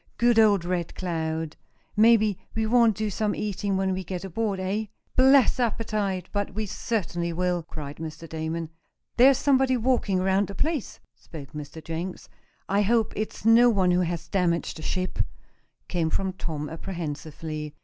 "Good old Red Cloud! Maybe we won't do some eating when we get aboard, eh?" "Bless my appetite! but we certainly will!" cried Mr. Damon. "There's somebody walking around the place," spoke Mr. Jenks. "I hope it's no one who has damaged the ship," came from Tom, apprehensively.